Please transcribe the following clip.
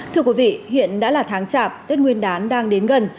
thưa quý vị hiện đã là tháng chạp tết nguyên đán đang đến gần